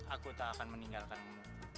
aku tak akan meninggalkanmu